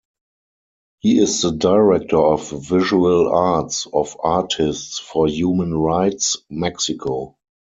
He is the Director of Visual Arts of Artists for Human Rights Mexico.